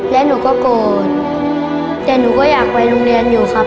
และหนูก็โกรธแต่หนูก็อยากไปโรงเรียนอยู่ครับ